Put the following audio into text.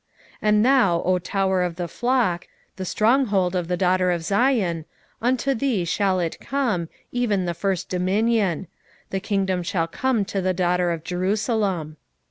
4:8 And thou, O tower of the flock, the strong hold of the daughter of Zion, unto thee shall it come, even the first dominion; the kingdom shall come to the daughter of Jerusalem.